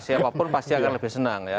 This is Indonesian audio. siapapun pasti akan lebih senang ya